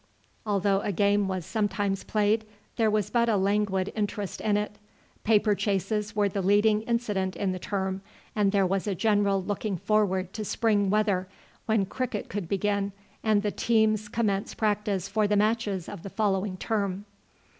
Although a game was sometimes played, there was but a languid interest in it. Paper chases were the leading incident in the term, and there was a general looking forward to spring weather, when cricket could begin and the teams commence practice for the matches of the following term.